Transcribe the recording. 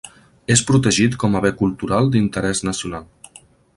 És protegit com a bé cultural d'interès nacional.